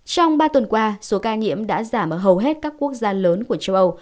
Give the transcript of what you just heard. trong ba tuần qua số ca nhiễm đã giảm ở hầu hết các quốc gia lớn của châu âu